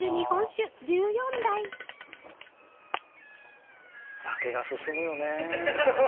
酒が進むよね。